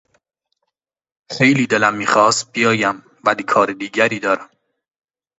خیلی دلم میخواست بیایم ولی کار دیگری دارم.